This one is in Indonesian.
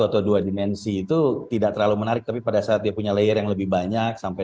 atau dua dimensi itu tidak terlalu menarik tapi pada saat dia punya layer yang lebih banyak sampai